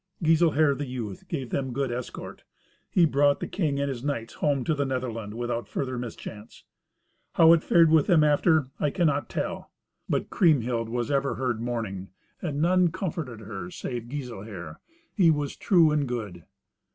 Giselher the youth gave them good escort. He brought the king and his knights home to the Netherland without further mischance. How it fared with them after, I cannot tell. But Kriemhild was ever heard mourning, and none comforted her save Giselher—he was true and good.